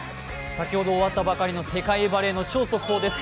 先ほど終わったばかりの世界バレーの超速報です。